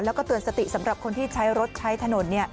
แล้วก็เตือนสติสำหรับคนที่ใช้รถใช้ถนน